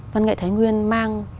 văn nghệ thái nguyên mang